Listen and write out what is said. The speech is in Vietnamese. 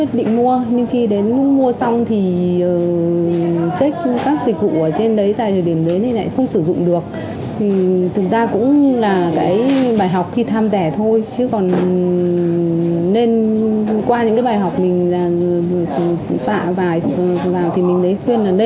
cho nên là đi đường người ta không thấy rồi mình thấy